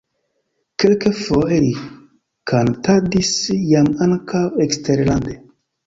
Kelkfoje li kantadis jam ankaŭ eksterlande.